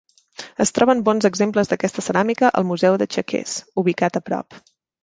Es troben bons exemples d'aquesta ceràmica al Museu de Chequers, ubicat a prop.